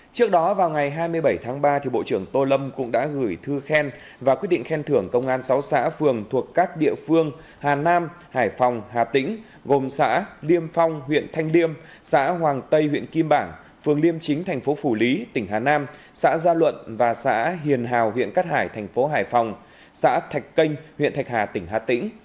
trước đó vào ngày hai mươi bảy tháng ba bộ trưởng tô lâm cũng đã gửi thư khen và quyết định khen thưởng công an sáu xã phường thuộc các địa phương hà nam hải phòng hà tĩnh gồm xã liêm phong huyện thanh liêm xã hoàng tây huyện kim bảng phường liêm chính thành phố phủ lý tỉnh hà nam xã gia luận và xã hiền hào huyện cát hải thành phố hải phòng xã thạch canh huyện thạch hà tỉnh hà tĩnh